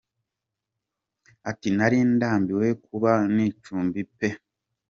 Ati “Nari ndambiwe kuba mu icumbi pe.